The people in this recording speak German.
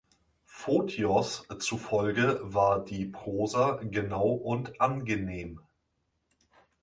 Photios zufolge war die Prosa genau und angenehm.